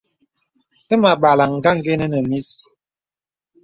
Təmà àbàlàŋ ngà àngənə́ nə mís.